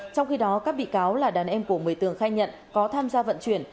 trong khi đó các bị cáo là đàn em của người tường khai nhận có tham gia vận chuyển